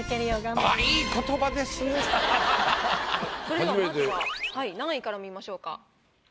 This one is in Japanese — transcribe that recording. それではまずは何位から見ましょうか？